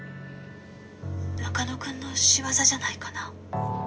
「中野くんの仕業じゃないかな？」